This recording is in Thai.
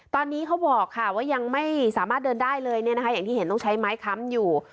ตอนนี้เขาบอกค่ะว่ายังไม่สามารถเดินได้เลยอย่างที่เห็นต้องใช้ไม้ค้ำอยู่